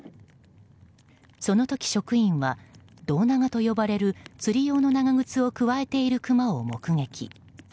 その時、職員は胴長と呼ばれる釣り用の長靴をくわえているクマを目撃。